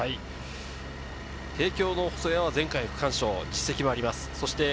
帝京の細谷は前回区間賞、実績があります。